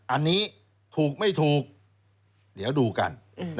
อันนี้ถูกไม่ถูกเดี๋ยวดูกัน